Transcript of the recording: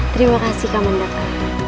terima kasih kamon daka